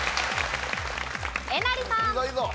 えなりさん。